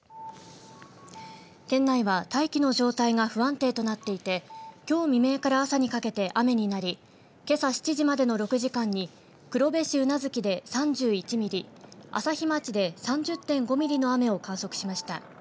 県内は大気の状態が不安定となっていてきょう未明から朝にかけて雨になりけさ７時までの６時間に黒部市宇奈月で３１ミリ朝日町で３０．５ミリの雨を観測しました。